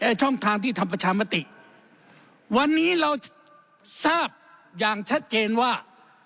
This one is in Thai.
ช่องทางที่ทำประชามติวันนี้เราทราบอย่างชัดเจนว่า